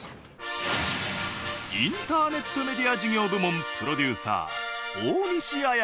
インターネットメディア事業部門プロデューサー。